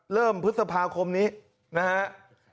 เริ่มพฤศพาคมนี้นะครับ